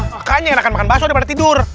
makanya enakan makan baso daripada tidur